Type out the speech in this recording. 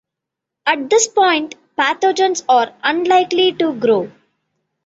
At this point pathogens are unlikely to grow.